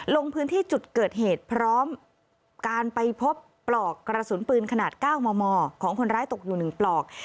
ลงพื้นที่จุดเกิดเหตุพร้อมการไปพบปลอกกระสุนปืนขนาด๙มมของคนร้ายตกอยู่๑ปลอก